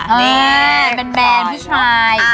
นี่เป็นแบรนด์พี่ชาย